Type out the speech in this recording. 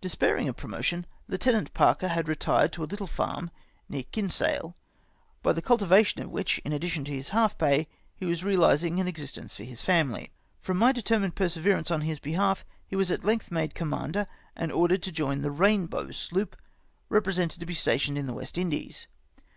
Despairing of promotion, Lieu tenant Parker had retked to a little farm near Kinsale, by the cultivation of which, in addition to his half pay, he was reahsing an existence for his family. From my determined perseverance on his behalf, he was at length made commander, and ordered to join the Rain how sloop, represented to be stationed in the West Lidies.